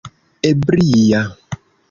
ebria